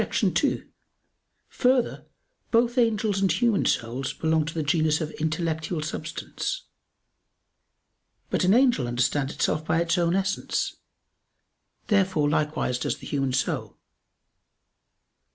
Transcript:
2: Further, both angels and human souls belong to the genus of intellectual substance. But an angel understands itself by its own essence. Therefore likewise does the human soul.